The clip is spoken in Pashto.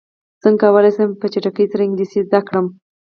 څنګه کولی شم په چټکۍ سره انګلیسي زده کړم